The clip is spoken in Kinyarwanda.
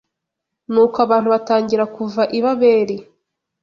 Nuko abantu batangira kuva i Babeli